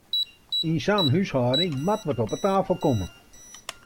Yn sa'n húshâlding moat wat op 'e tafel komme!